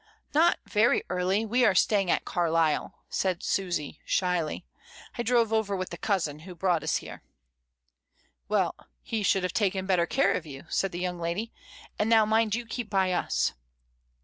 "Not very early. We are sta)dng at Carlisle," said Susy, shyly. "I drove over with a cousin, who brought us here." "Well, he should have taken better care of you," said the young lady; "and now mind you keep by us."